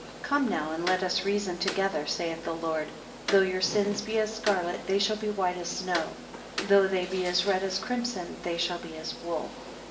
13 Come now and let us reason together, saith the Lord: though your sins be as scarlet, they shall be as white as snow; though they be as red as crimson, they shall be as wool.